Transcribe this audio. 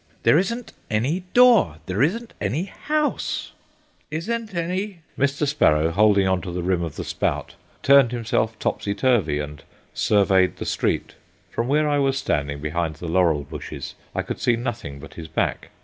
There isn't any door, there isn't any house—" "Isn't any—" Mr. Sparrow, holding on to the rim of the spout, turned himself topsy turvy and surveyed the street. From where I was standing behind the laurel bushes I could see nothing but his back.